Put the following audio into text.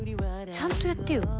ちゃんとやってよ。